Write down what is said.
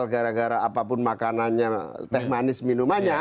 gara gara apapun makanannya teh manis minumannya